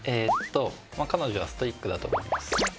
彼女はストイックだと思います。